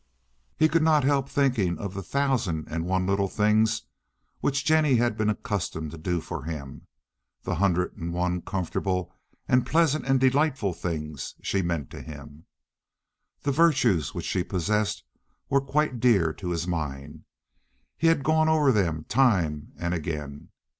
He could not help thinking of the thousand and one little things which Jennie had been accustomed to do for him, the hundred and one comfortable and pleasant and delightful things she meant to him. The virtues which she possessed were quite dear to his mind. He had gone over them time and again.